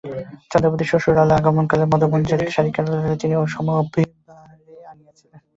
চন্দ্রাবতী শ্বশুরালয়ে আগমনকালে মদনমঞ্জরী শারিকারে নিজ সমভিব্যাহারে আনিয়াছিলেন।